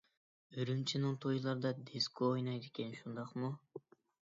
ئۈرۈمچىنىڭ تويلىرىدا دىسكو ئوينايدىكەن، شۇنداقمۇ؟